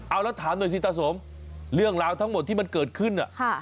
เอาแล้วถามหน่อยสิตาสมเรื่องราวทั้งหมดที่มันเกิดขึ้น